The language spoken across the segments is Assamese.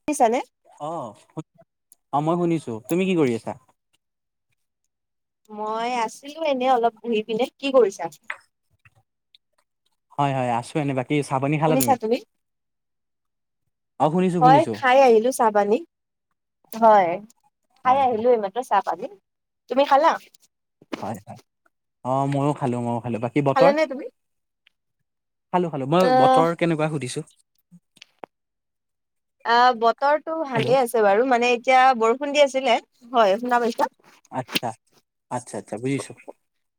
হেল্ল'। অ', অ', মই শুনিছো, তুমি কি কৰি আছা? মই আছিলো এনে অলপ বহি পিনে, কি কৰিছা? হয় হয়, আছো এনে বা শুনিছা তুমি? অ', শুনিছো হয়, শুনিছো খাই আহিলো চাহ পানী। হয়, খাই হয়, আহিলো এইমাত্ৰ চাহ পানী, তুমি খালা? হয়, হয়, অ', ময়ো খালো, ময়ো খালো, বাকী বতৰ? খালানে তুমি? খালো খালো, মই আহ বতৰ কেনেকুৱা সুধিছো। অ ', বতৰটো হেল্ল' ভালে আছে বাৰু, মানে এতিয়া বৰষুণ দি আছিলে, হয়, শুনা পাইছা? আচ্ছা। আচ্ছা আচ্ছা বুজিছো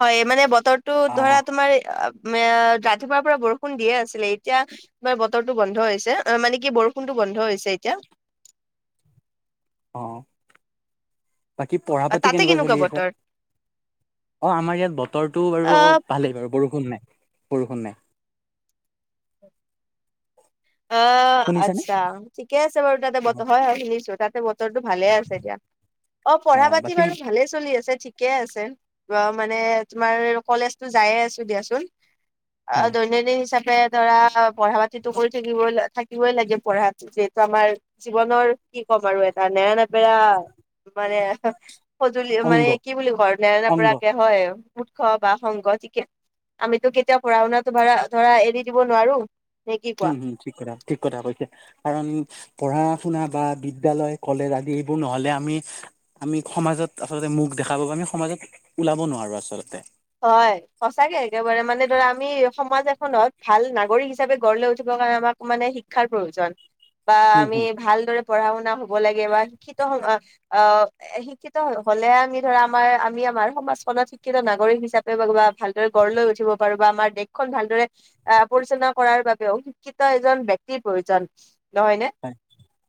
হয় মানে বতৰটো ধৰা অ', তোমাৰ এ ৰাতিপুৱাৰ পৰা বৰষুণ দিয়ে আছিলে, এতিয়া তোমাৰ বতৰটো বন্ধ হৈছে, অ', মানে কি বৰষুণ টো বন্ধ হৈছে এতিয়া। অ', বাকী পঢ়া পাতি তাতে কেনেকুৱা চলি আছে? বতৰ? অ', আমাৰ ইয়াত বতৰটো বাৰু আহ ভালেই বাৰু, বৰষুণ নাই। বৰষুণ নাই। অ', শুনিছানে আচ্ছা, ঠিকে আছে বাৰু, তাতে ব অ', হয় হয়, শুনিছো তাত টো ভালে আছে দিয়া, অ', পঢ়া পাতি বাৰু ভালে চলি আছে। ঠিকে আছে, মানে তোমাৰ কলেজতো যায়ে আছো দিয়াচোন। অ', হয় দৈনন্দিন হিচাপে ধৰা পঢ়া পাতিতো কৰি থাকিব থাকিবই লাগে পঢ়াতো, যিহেতু আমাৰ জীৱনৰ কি ক'ম আৰু এটা নেৰা নেপেৰা বেৰা মানে সজুলি, মানে অংগ কি বুলি ঘৰত নেৰা অংগ নেপেৰাকে হয়। উৎস বা সংগ ঠিকে, আমিতো কেতিয়াও পঢ়া শুনাটো ভৰা ধৰা এৰি দিব নোৱাৰো। নে কি কোৱা? উম, হম ঠিক কথা ঠিক কথা কৈছে, কাৰণ পঢ়া শুনা বা বিদ্যালয়, কলেজ আদি এইবোৰ নহ'লে আমি আমি আমি সমাজত আচলতে মুখ দেখাব বা আমি সমাজক ওলাব নোৱাৰো আচলতে। হয়, সচাঁকে একেবাৰে, মানে ধৰা আমি সমাজ এখনত ভাল নাগৰিক হিচাপে গঢ় লৈ উঠিব কাৰনে মানে আমাক মানে শিক্ষাৰ প্ৰয়োজন, বা উম আমি হুম ভালদৰে পঢ়া শুনা হ'ব লাগে, বা শিক্ষিত অ শিক্ষিত হ'লেহে আমি ধৰা আমাৰ আমি আমাৰ সমাজখনত শিক্ষিত নাগৰিক হিচাপে বা ভালদৰে গঢ় লৈ উঠিব পাৰো, বা আমাৰ দেশখন ভালদৰে আহ', পৰিচালনা কৰাৰ বাবেও শিক্ষিত এজন ব্যক্তিৰ প্ৰয়োজন। নহয় নে হয়,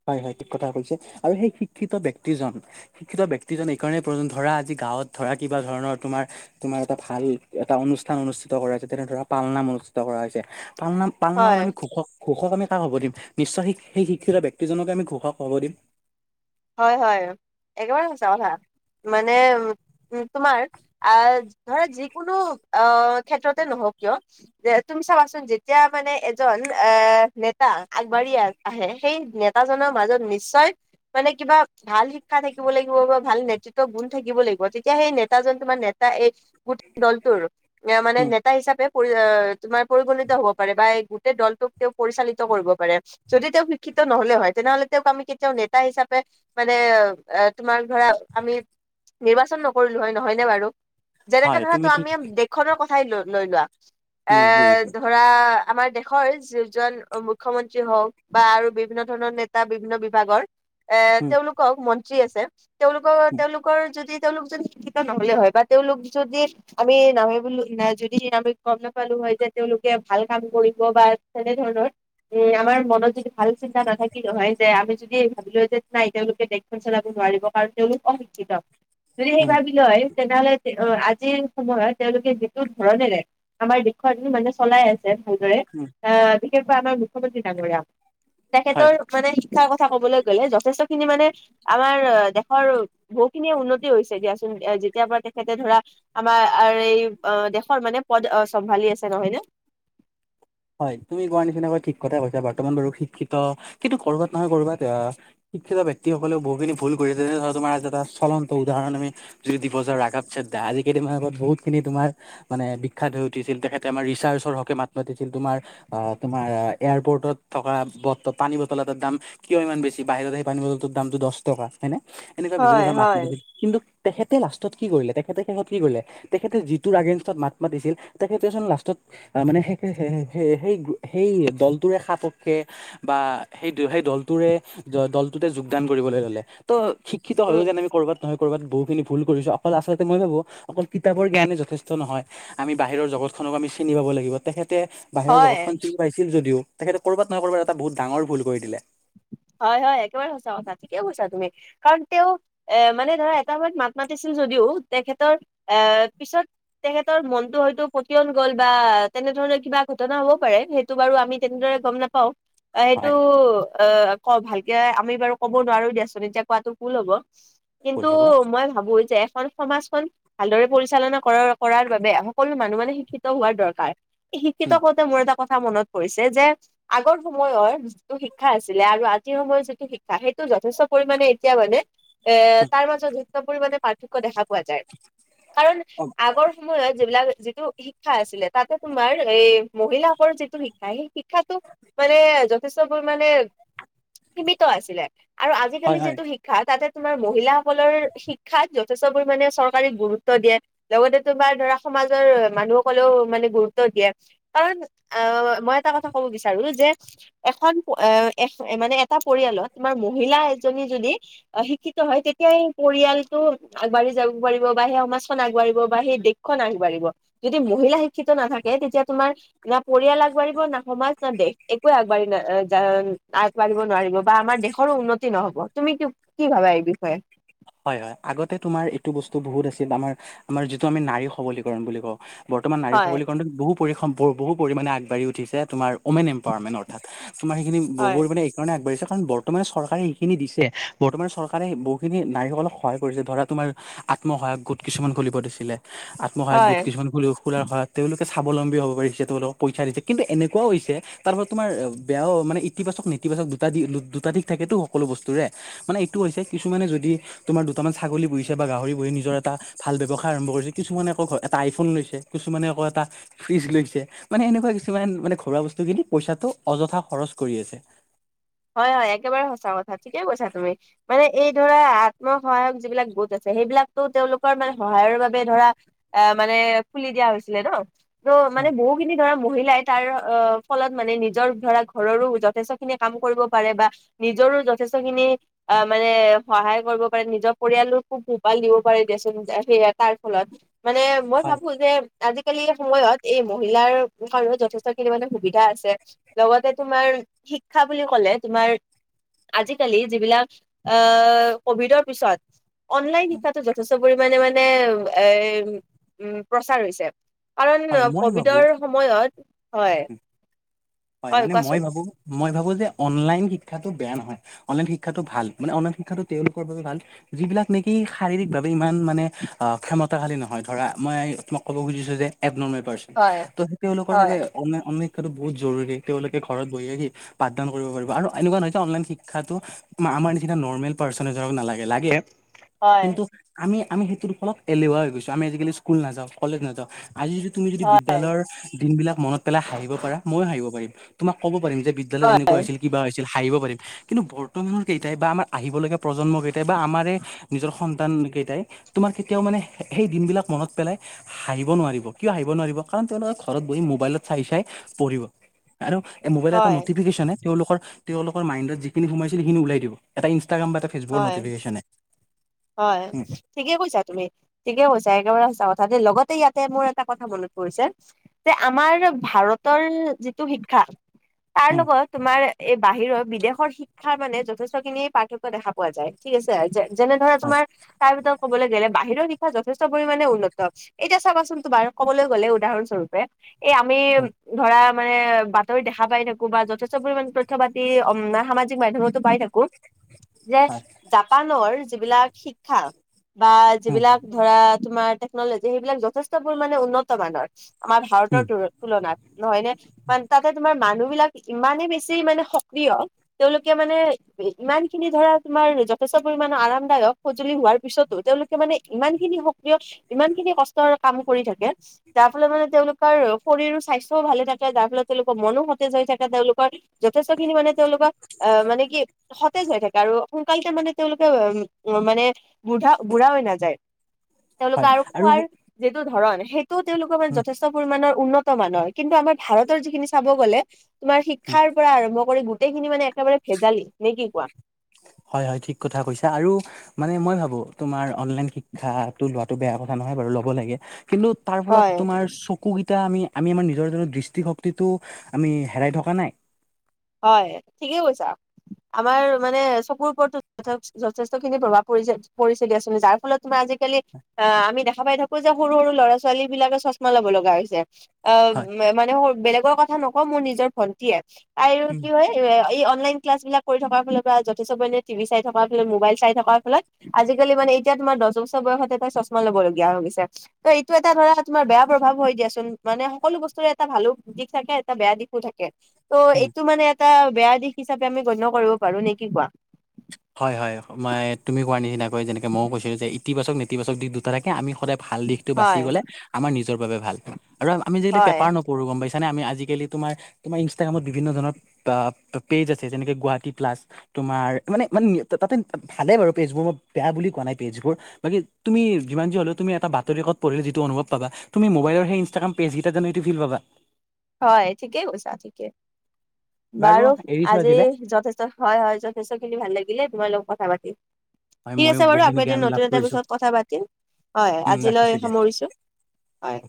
হয়, হয়, ঠিক কথা কৈছে, আৰু সেই শিক্ষ শিক্ষিত ব্যক্তিজন শিক্ষিত ব্য্ক্তিজন এইকাৰণেই ধৰা আজি গাঁৱত ধৰা কিবা ধৰণৰ তোমাৰমাৰ এটা ভাল এটা অনুষ্ঠান অনুষ্ঠিত কৰা হৈছে তেনে ধৰা পালনাম অনুষ্ঠিত কৰা হৈছে। পাল নাম পালনামত হয় আমি ঘোষক, ঘোষক আমি কাক হ'ব দিম নিশ্চয় সি সেই শিক্ষিত ব্যক্তিজনকে আমি ঘোষা খাব দিম। হয়, হয়, একেবাৰে সঁচা কথা মানে। উ, তোমাৰ আহ ধৰা যিকোনো আহ ক্ষেত্ৰতে নহওক কিয় যে চাবাচোন যেতিয়া মানে এজন অ নেতা আগবাঢ়ি আহে সেই নেতাজনৰ ম মাজত নিশ্চয়। মানে কিবা ভাল শিক্ষা থাকিব লাগিব বা ভাল নেতৃত্ব গুণ থাকিব লাগিব তেতিয়া সেই নেতাজন তোমাৰ নেতা। এই গোটেই দলটোৰ এ, মানে উম নেতা হিচাপে। তোমাৰ পৰিগণিত হব পাৰে বা এই গোটেই দলটোক তেওঁ পৰিচালিত কৰিব পাৰে যদি তেওঁ শিক্ষিত। নহ'লে হয় তেনেহলে তেওঁক আম কেতিয়াও। তাৰ, হিচাপে মানে তোমাৰ ধৰা আমি। নিৰ্বাচন নকৰিলো হয় নহয়নেে বাৰু। যেনেকে হয় ধৰা তো তুমি ঠিক আমি দেশখনৰ কথাই ল লৈ লোৱা এ, উম বুজিছো ধৰা। আমাৰ দেশৰ যিজন মুখ্যমন্ত্ৰী হওঁক বা আৰু বিভিন্ন ধৰণৰ নেতা বিভিন্ন বিভাগৰ। এ, উম তেওঁলোকক মন্ত্ৰী আছে তেওঁলোকৰ তেওঁলোকৰ যদি। তেওঁলোক যদি শিক্ষিত নহলে হয় বা তেওঁলোক যদি আমি নাম বুলি যদি নামি গম নাপালো। হয় যে তেওঁলোকে ভাল কাম কৰিব বা তেনেধৰণৰ। এ, আমাৰ মনত যদি ভাল চিন্তা নাথাকিল নহয় যে আমি যদি। ভাবিলো যে নাই তেওঁলোকে দেশখন চলাব নোৱাৰিব কাৰণ তেওঁলোক অশিক্ষিত। যদি সেই উম ভাবি লয় তেনেহ'লে অ, আজিৰ সময়ত তেওঁলোকে যিটো ধৰণেৰে আমাৰ দেশৰ মানে চলাই আছে। ভালদৰে উম আহ বিশেষকৈ আমাৰ মুখ্যমন্ত্ৰী ডাঙৰীয়া। হয়। তেখেতৰ মানে শিক্ষাৰ কথা ক'বলৈ। গ'লে যথেষ্ট খিনি মানে আমাৰ দেশৰ বহুখিনিয়ে উন্নতি হৈছে দিয়াচোন যেতিয়া পৰা তেখেতে। ধৰা আমাৰ, এই দেশৰ মানে পদ, চম্ভালি আছে নহয় ন। হয় তুমি কোৱাৰ নিচিনাকৈ ঠিক কতাই কৈছা বৰ্তমান বাৰু শিক্ষিত, কিন্তু কৰবাত নহয় ক'বাত। শিক্ষিত ব্য্ক্তিসকলেও বহুখিনি ভুল কৰিছে তোমাৰ আ এটা চল উদৰণ আমি যদি দিব যা ৰাৱ চে আজিালি মিন আগত বহুত খিনি তুমাৰ মানে বিখ্যাত হৈ উঠিছিল তেখে আমাৰ ৰিচাৰ্চৰ হকে মাত মাতি। তোমাৰ অ, তোমাৰ এয়াৰপৰ্টত থকা ব পানী বটল এটাৰ দাম কিয় ইমান বেছি বাঢ়ি। সেই পানী বলৰ দামটো দহ টকা হয়ে এনেকুৱা বিভিন্ন হয় ধৰণ মাত হয় মেলিছিল কিন্তু। তেখেতে লাষ্টত কি কৰিলে তেখেতে তেখত কি কৰিলে তেখেতে যিটোৰ আগেনষ্টত মাত মাতিছিল তেখেতেন লাষ্টত। অ, মানে সেই। স, সেই সেই দলটোোৰে সাপক্ষে বা সেই সেই দলটোৰে। দলটোতে যোগদান কৰিবলৈ ল'লে ত শিক্ষিত হ'লেও যেন আমি কৰ'বাত নহয়। বাত বহুিনি ভুল কৰিছো অকল আচলতে মই ভাবো অকল কিতাপৰ জ্ানে যেষ্ট নহয় আমি বাহিৰৰ জগত। আমি চিনি পাব লাগ তেখেত। বাহিৰৰ হয় জগতখন চি পাইছিল যদিও তেখেতে কৰ'ৰবাত নহয় ক'ৰবাত এটা বহুত ডাঙৰ ভুল কৰি দিলে। হয়, হয় একেবাৰে সঁচা কথা ঠিকে কৈছা তুমি কাৰণ তেওঁ এ মানে ধৰা এটা সময়ত মাত মাতিছিলো। যদিও তেখেতৰ এ পিছত তেখৰ মনতটো হয়তো প গ'ল বা তেনে। ধৰণৰ কিবা ঘটনা হ'ব পাৰে সেইটো বাৰু আমি তেনেদৰে গম নাপাওঁ। অ, সেইটো হয় অ ক ভালকে আমি বাৰু ক'ব নোৱাৰো দিয়াচোন এতিয়া কোৱাাতটো ভুল হ'ব। ভুল কিন্তু হ'ব মই ভাবো যে এখন সমাজখন। ভালদৰে পৰিচালনা কৰ কৰাৰ বাবে সকলো মানুহ মানে শিক্ষিত হোৱাৰ দৰকাৰ। শিক্ষিত কওঁতে মোৰ ত কথা মনত পৰিছে যে আগৰ সময়ৰ যিটো শিক্ষা আছিলে আৰু। যিটো শিক্ষা সেইটো যথেষ্ট পৰিমণে এতিয়া মানে এ তাৰ মাজত যষ্ট পৰি। দেখা পোৱা যায় কাৰণ উম, আগৰ সময়ত যিবিলাক। যিটো শিক্ষা আছিলে তাতে তোমাৰ এই মহিলাসকল যিটো শিক্ষা সেই শিক্ষাটো মানে। এ, যথেষ্ট পৰিমাণে সীমিত আছিলে আৰু আজিকালি হয় হয় যিটো শিক্ষা তাতে তোমাৰ মহিলাাসকলৰ শিক্ষাত যথেষ্ট পৰিমণে চৰকাৰে গুৰুত্ব দিয়ে লগতে তোমাৰ ধৰা সমাজৰ মানুহসকলেও মানে গুৰুত্ব দিয়ে কাৰণ আ, মই এটা কথা ক'ব বিচাৰো যে এখন এ মানে এটা পৰিয়ালত তোমাৰ মহিলা এজনী যদি অ' শিক্ষিত হয় তেতিয়া এই পৰিয়ালটো আগবাঢ়ি যাব পাৰিব বা সেই সমাজখন আগবাঢ়িব বা সেই দেশখন আগবাঢ়িব যদি মহিলা শিক্ষিত নাথাকে থাকে তেতিয়া তোমাৰ না পৰিয়াল আগবাঢ়িব, না সমাজ, না দেশ একোয়ে আগবাঢ়ি না আগবাঢ়িব নোৱাৰিব বা আমাৰ দেশৰো উন্নতি নহ'ব। তুমি কি ভাবা এই বিষয়ে? হয় হয় আগতে তোমাৰ এইটো বস্তু বহুত আছিল আমাৰ আমাৰ যিটো আমি নাৰী সবলীকৰণ বুলি কওঁ বৰ্তমান নাৰী হয় সবলীকৰণটো বহু পৰিসম বহু পৰিমাণে আগবাঢ়ি উঠিছে তোমাৰ উমেন এম্পাৱাৰমেন অৰ্থাৎ তুমাৰ হয় এই কাৰণে আগবাঢ়িছে কাৰন বৰ্তমানে চৰকাৰে এইখিনি দিছে বৰ্তমান চৰকাৰে বহুখিনি নাৰীসকলক সহায় কৰিছে ধৰা তোমাৰ আত্মসহায়ক গোট কিছুমান খুলিব দিছিলে। আত্মসহায়ক গোট হয় কিছুমান খ-খোলাৰ সহায়ত তেওঁলোকে স্বাৱলম্বী হ'ব পাৰিছে তোলক পইচা দিছে কিন্তু এনেকুৱাও হৈছে তাৰ পৰা তুমাৰ বেয়াওঁ মানে ইতিবাকচক নীত ইতিবাচক দুটা দি দু-দুটা দিশ থাকেতো সকলো বস্তুৰে মানে এইটো হৈছে কিছুমানে যদি তোমাৰ দুটামান ছাগলী পুহিছে বা গাহৰি পুহি নিজৰ এটা ভাল ব্যৱসায় আৰম্ভ কৰিছে। কিছুমান আকৌ এটা আইফোন লৈছে। কিছুমানে আকৌ এটা ফ্ৰিজ লৈছে মানে এনেকুৱা কিছুমান মানে ঘৰুৱা বস্তু কিনি পইচাটো অযথা খৰচ ৰচ কৰি আছে। হয় হয় একেবাৰে সঁচা কথা ঠিকে কৈছা তুমি মানে এই ধৰা আত্ম সহায়ক যিবিলাক গোট আছে সেইবিলাকতো তেওঁলোকৰ মানে সহায়ৰ বাবে ধৰা আ মানে খুলি দিয়া হৈছিলে ন'। ত' মানে বহুখিনি ধৰা মহিলাই তাৰ অ' ফলত মানে নিজৰ ধৰা ঘৰৰো যথেষ্টখিনি কাম পাৰে বা নিজৰো যথেষ্টখিনি অ' মানে সহায় কৰিব পাৰে, নিজৰ পৰিয়ালৰ খুব পোহপাল দিব পাৰি দিয়াচোন। সেয়ে তাৰ ফলত মানে মই হয় ভাবোঁ যে আজিকালি সময়ত এই মহিলাৰ কাৰণে যথেষ্টখিনি মানে সুবিধা আছে লগতে তোমাৰ শিক্ষা বুলি কলে তোমাৰ আজিকালি যিবিলাক আ, কভিডৰ পিছত অনলাইন শিক্ষাটো যথেষ্ট পৰিমানে এ, উ, প্ৰচাৰ হৈছে। কাৰণ হয় মই ভাবো কভিডৰ সময়ত, হয়। হয় মানে মই ভাবোঁ মই ভাবোঁ যে অনলাইন শিক্ষাটো বেয়া নহয়। অনলাইন শিক্ষাটো ভাল মানে অনলাইন শিক্ষা তেওঁলোকৰ বাবে ভাল যিবিলাক নেকি ই শাৰীৰিক ভাৱে ইমান মানে অ' ক্ষমতাশালী নহয় ধৰা মই তোমাক ক'ব খুজিছো যে এবনবে পাৰ্চন। হয় ত' তেওঁলোকৰ বাবে হয়। অনলাইন শিক্ষাটো বহুত জৰুৰী, তেওঁলোকে ঘৰত বহি পঠদান কৰিব পাৰিব আৰু এনেকুৱা অনলাইন শিক্ষাটো আমাৰ নিচিনা নৰ্মেল পাৰ্চনে ধৰক নালাগে। লাগে হয় কিন্তু আমি আমি সেইটোৰ ফলত এলেহুৱা হৈ গৈছোঁ, আমি আজিকালি স্কুল নাযাওঁ, কলেজ নাযাওঁ। আজি যদি তুমি যদি হয়। বিদ্যালয়ৰ দিনবিলাক মনত পেলাই হাঁহিব পাৰা ময়ো হাঁহিব পাৰিম। তোমাক ক'ব পাৰিম যে বিদ্যালয়ত এনেকুৱা হৈছিল কিবা হৈছিল হাঁহিব পাৰিম। কিন্তু বৰ্তমানৰ কেইটাই বা আমাৰ আহিবলগীয়া প্ৰজন্ম কেইটাই বা আমাৰে নিজৰ সন্তান কেইটাই তোমাৰ কেতিয়াও মানে সেই দিনবিলাক মনত পেলাই হাঁহিব নোৱাৰিব কিয় হাঁহিব নোৱাৰিব কাৰণ তেওঁলোকে ঘৰত বহি মোবাইলত চাই চাই পঢ়িব আৰু মোবাইলৰ এটা হয় নটিফিকেশ্যনে তেওঁলোকৰ তেওঁলোকৰ মাইণ্ডত যিখিনি সোমাইছিল সেইখিনি ওলাই দিব এটা ইনষ্টাগ্ৰাম বা এটা ফেচবুকৰ হয় নটফিকেশচনে। হয় ঠিকেই কৈছা তুমি, ঠিকে কৈছা একেবাৰে সঁচা কথা। তাতে লগতে ইয়াতে মোৰ এটা কথা মনত পৰিছে যে আমাৰ ভাৰতৰ যিটো শিক্ষা তাৰ লগত তোমাৰ এ বাহিৰত বিদেশৰ শিক্ষাৰ মানে যথেষ্টখিনিয়ে পাৰ্থক্য দেখা পোৱা যায় ঠিক আছে যে যেনে ধৰা হয় তোমাৰ তাৰ ভিতৰত ক'বলৈ গ'লে বাহিৰৰ শিক্ষা যথেষ্ট পৰিমাণে উন্নত। এতিয়া চাবাচোন তোমাৰ কবলৈ গ'লে উদাহৰণস্বৰূপে এই আমি উম ধৰা মানে বাতৰি দেখা পাই থাকোঁ বা যথেষ্ট পৰিমে তথ্য পাতি অম সামাজিক মাইডমতো পাই থাকোঁ। যে হয় জাপানৰ যিবিলাক শিক্ষা বা উম যিবিলাক ধৰা তোমাৰ টেকনলজি সেইবিলাক যথেষ্ট পৰিমানে উন্নত মানৰ আমাৰ ভাৰতৰ উম তু তুলনাত। নহয় নে মানে তাতে তোমাৰ মানুহ বিলাক ইমানেই বেছি মানে সক্ৰিয় তেওঁলোকে মানে ইমান খিনি ধৰা তোমাৰ যথেষ্ট পৰিমণৰ আৰামদায়ক সজুলি হোৱাৰ পিছতো তেওঁলোকে মানে ইমান খিনি সক্ৰিয় ইমান খিনি কষ্টৰ কাম কৰি থাকে যা যাৰ ফলত মানে তেওঁলোকৰ শৰীৰৰ স্বাস্থ্যও ভালে থাকে যাৰ ফলত তেওঁলোকৰ মনো সতেজ হৈ থাকে তেওঁলোকৰ যথেষ্ট খিনি মানে তেওঁলোকক অ' মানে কি সতেজ হৈ থাকে আৰু সোনকালতে মানে তেওঁলোকে উম মানে বুঢ়া বুঢ়া হৈ নাযায় তেওঁলোকে আৰু খোৱাৰ যিটো ধৰণ সেই সেইটোও তেওঁলোকৰ মানে উম যথেষ্ট পৰিমানৰ উন্নত মানৰ কিন্তু আমাৰ ভাৰতৰ যিখিনি চাব গ'লে তোমাৰ শিক্ষাৰ পৰা আৰম্ভ কৰি গোটেইখিনি মানে একেবাৰে ভেজালি নে কি কোৱা। হয় হয় ঠিক কথা কৈছা আৰু মানে মই ভাবোঁ তোমাৰ অনলাইন শিক্ষাটো ল বেয়া কথা নহয় বাৰু ল'ব লাগে কিন্তু তাৰ ফলত হয় তোমাৰ চ চকু কেইটা আমি আমি আমাৰ নিজৰ দৃষ্টিশক্তিটো আমি হেৰাই থকা নাই। হয় ঠিকেই কৈছা, আমাৰ মানে চকুৰ [unintelligible] যথেষ্ট খিনি প্ৰভাৱ পৰি পৰিছে দিয়াচোন যাৰ ফলত তোমাৰ আজিকালি অ' আমি দেখ [unintelligible] পাই থাকোঁ যে সৰু সৰু ল'ৰা ছোৱালীবিলাকে চশমা ল'ব লগা হৈছে হয় অ' মানে সৰু বেলেগৰ কথা নকওঁ মোৰ নিজৰ ভন্টিয়ে আৰু উম কি হয় এ অনলাইন ক্লাছবিলাক কৰি থকাৰ ফলত বা যথেষ্ট পৰিমানে টিভি চাই থকাৰ ফ মোবাইল চাই থকাৰ ফলত আজিকালি মানে এতিয়া তোমাৰ দহ বছৰ বয়সতে তাই চশমা ল'ব লগগীয়া হৈ গৈছে, ত' এইটো এটা ধৰা তোমাৰ বেয়া প্ৰভাৱ হৈ দিয়াচোন মা মানে সকলো বস্তুৰে এটা ভালো দিশ থাকে এটা বেয়া দিশো থাকে উম ত' [unintelligible] বেয়া দিশ হিচাপে আমি গণ্য কৰিব পাৰো, নে কি কোৱা? হয় হয় মই তুমি কোৱাৰ নিচিনাকৈ যেনেকে ময়ো কৈছিলোঁ যে ইতিবাচক নেতিবাচক দিশ দুটা থাকে আমি সদায় ভাল দিশটো বাচি হয়। গ'লে আমাৰ নিজৰ বাবে ভাল, আৰু আমি যতি হয়, পেপাৰ নকৰো গ'ম পাইছ [unintelligible] আমি আজিকালি তোমাৰ তোমাৰ ইনষ্টাগ্ৰামত বিভিন্ন ধৰণৰ পেজ আছে যেনেকে গুৱাহাটী প্লাছ তোমাৰ মানে মানে তাতে ভালে বাৰু পেজবোৰ মই বেয়া বুলি কোৱা নাই পেজবোৰ বাকী তুমি যিমান যে হ'লে তুমি এটা বাতৰি কাকত পঢ়িলে যিটো অনুভৱ পাবা তুমি মোবাইল সেই ইনষ্টাগ্ৰাম পেজ কেইটাত জানো এইটো ফিল পাবা। হয় ঠিকে কৈছা ঠিকে। বাৰু এৰিছো আজি আজিলে যথেষ্ট হয় হয় যথেষ্টখিনি ভাল লাগিলে তোমাৰ লগত কথা পাতি। হয় ঠিক ময়ো আছে বাৰু আকৌ বহুখিনি এদিন জ্ঞান নতুন লাভ এটা কৰিছো বিষয়ত কথা পাতিম হয় উম ৰাখিছো আজিলৈ দিয়া সামৰিছোঁ। হয়।